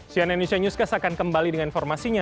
cnn indonesia newscast akan kembali dengan informasinya